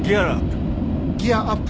ギアアップ。